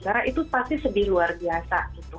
karena itu pasti sedih luar biasa